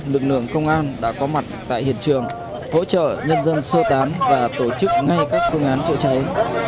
lực lượng công an đã có mặt tại hiện trường hỗ trợ nhân dân sơ tán và tổ chức ngay các phương án chữa cháy